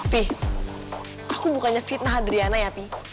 pih aku bukannya fitnah adriana ya pi